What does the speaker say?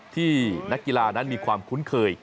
ที่นักกีฬานั้นมีความคุ้นเคย